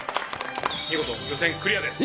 見事予選クリアです。